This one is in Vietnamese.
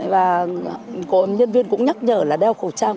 và nhân viên cũng nhắc nhở là đeo khẩu trang